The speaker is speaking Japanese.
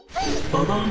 「ババン！」